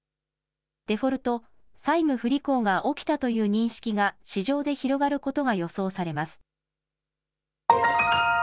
デフォルト・債務不履行が起きたという認識が市場で広がることが予想されます。